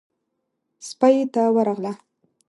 سپۍ ته ورغله.